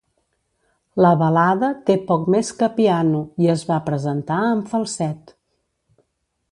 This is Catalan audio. La balada té poc més que piano, i es va presentar en falset.